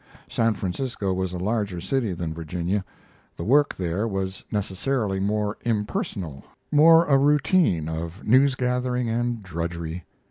San Francisco was a larger city than Virginia; the work there was necessarily more impersonal, more a routine of news gathering and drudgery.